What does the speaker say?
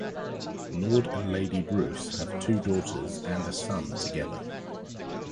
Lord and Lady Bruce have two daughters and a son together.